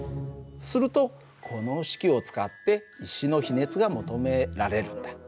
するとこの式を使って石の比熱が求められるんだ。